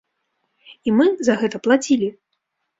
І мы за гэта плацілі.